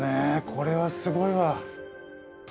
これはすごいわ。